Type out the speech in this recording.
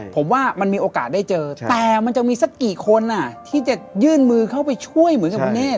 กี่คนอ่ะที่จะยื่นมือเข้าไปช่วยเหมือนกับคุณเนธ